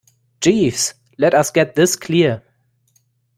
Jeeves, let us get this clear.